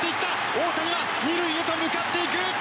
大谷は２塁へと向かっていく！